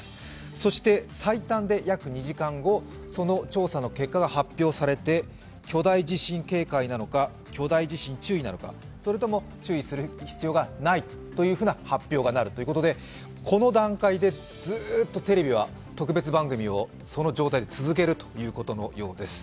そして最短で約２時間後、その調査の結果が発表されて、巨大地震警戒なのか、巨大地震注意なのか、それとも注意する必要がないという発表になるということで、この段階でずーっとテレビは特別番組をその状態で続けるということのようです。